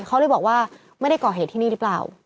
เขาเลยบอกว่าไม่ได้ก่อเหตุที่นี่หรือเปล่า